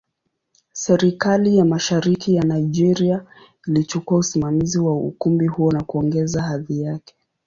Serikali ya Mashariki ya Nigeria ilichukua usimamizi wa ukumbi huo na kuongeza hadhi yake.